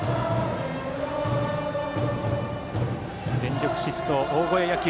全力疾走、大声野球。